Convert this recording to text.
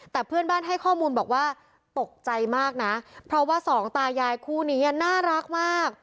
แต่เพื่อนบ้านให้ข้อมูลบอกว่าตกใจมากนะเพราะว่าสองตายายคู่นี้น่ารักมาก